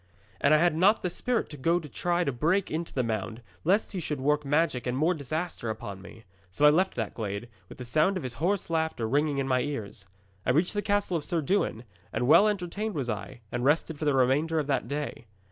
'And I had not the spirit to go to try to break into the mound, lest he should work magic and more disaster upon me. So I left that glade, with the sound of his hoarse laughter ringing in my ears. 'I reached the castle of Sir Dewin, and well entertained was I, and rested for the remainder of that day.